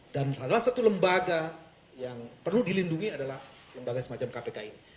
dan salah satu lembaga yang perlu dilindungi adalah lembaga semacam kpk ini